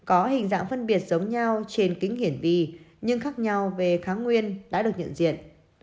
có hình dạng phân biệt giống nhau trên kính hiển vỉ nhưng khác nhau về kháng nguyên đã được nhận diện